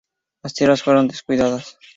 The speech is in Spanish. Las tierras fueron descuidadas.